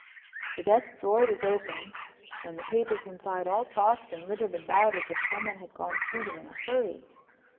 The desk drawer was open and the papers inside all tossed and littered about as if someone had gone through them in a hurry.